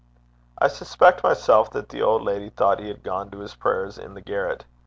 I suspect myself that the old lady thought he had gone to his prayers in the garret.